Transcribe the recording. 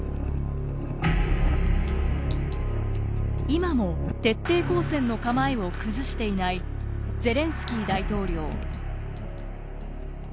今も徹底抗戦の構えを崩していないゼレンスキー大統領。